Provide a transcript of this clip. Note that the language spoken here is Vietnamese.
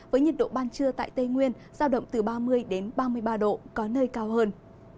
với nhiệt độ ban trưa tại tây nguyên giao động từ ba mươi ba mươi ba độ có nơi cao hơn